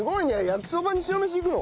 焼きそばに白飯いくの？